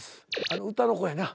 あの歌の子やな。